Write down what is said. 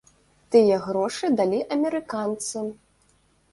Тыя грошы далі амерыканцы.